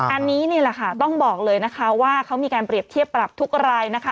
อันนี้นี่แหละค่ะต้องบอกเลยนะคะว่าเขามีการเปรียบเทียบปรับทุกรายนะคะ